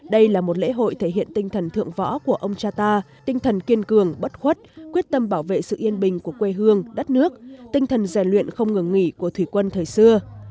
đây là một lễ hội thể hiện tinh thần thượng võ của ông cha ta tinh thần kiên cường bất khuất quyết tâm bảo vệ sự yên bình của quê hương đất nước tinh thần rèn luyện không ngừng nghỉ của thủy quân thời xưa